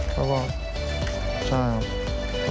แล้วก็ใช่ครับ